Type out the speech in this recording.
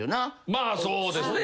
まあそうですね。